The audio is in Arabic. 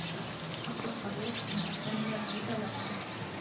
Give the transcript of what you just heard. حَقُّ الصَّدِيقِ أَنْ تَحْتَمِلَ لَهُ ثَلَاثًا